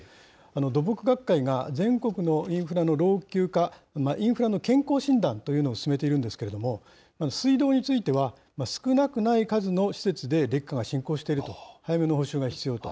土木学会が全国のインフラの老朽化、インフラの健康診断というのを進めているんですけれども、水道については、少なくない数の施設で劣化が進行していると、早めの補修が必要と。